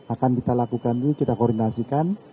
akan kita lakukan ini kita koordinasikan